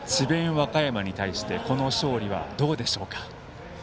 和歌山に対してこの勝利はどうでしょうか。